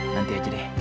nanti aja deh